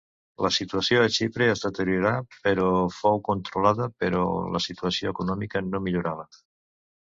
La situació a Xipre es deteriorà, però fou controlada, però la situació econòmica no millorava.